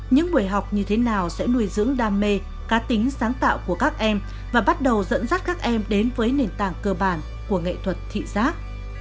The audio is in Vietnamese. những buổi học như thế nào sẽ nuôi dưỡng đam mê cá tính sáng tạo của các em và bắt đầu dẫn dắt các em đến với nền tảng cơ bản của nghệ thuật thị giác